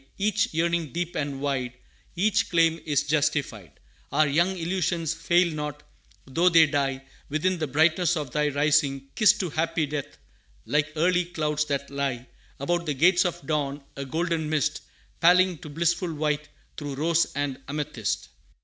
Each yearning deep and wide, Each claim, is justified; Our young illusions fail not, though they die Within the brightness of Thy Rising, kissed To happy death, like early clouds that lie About the gates of Dawn, a golden mist Paling to blissful white, through rose and amethyst.